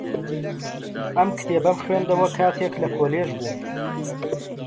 ئەم کتێبەم خوێندەوە کاتێک لە کۆلێژ بووم.